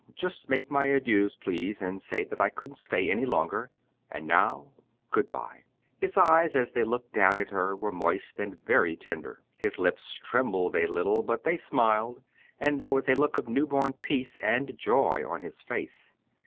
Just make my adieus, please, and say that I couldn't stay any longer. And now good by." His eyes as they looked down at her, were moist and very tender. His lips trembled a little, but they smiled, and there was a look of new born peace and joy on his face.